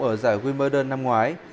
ở giải wimbledon năm ngoái